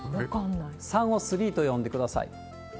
３をスリーと呼んでください。